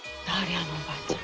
あのおばちゃん。